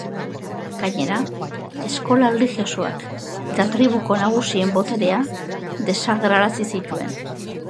Gainera, eskola erlijiosoak eta tribuko nagusien boterea desagerrarazi zituen.